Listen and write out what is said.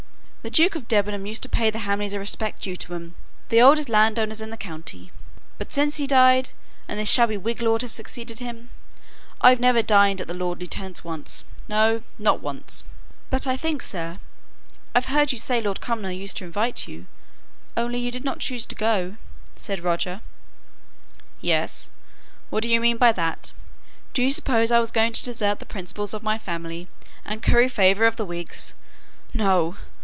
The Duke of Debenham used to pay the Hamleys a respect due to 'em the oldest landowners in the county but since he died, and this shabby Whig lord has succeeded him, I've never dined at the lord lieutenant's no, not once." "But I think, sir, I've heard you say Lord Cumnor used to invite you, only you did not choose to go," said Roger. "Yes. What d'ye mean by that? Do you suppose I was going to desert the principles of my family, and curry favour with the Whigs? No!